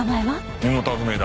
身元は不明だ。